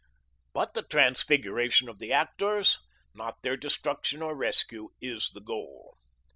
But the transfiguration of the actors, not their destruction or rescue, is the goal.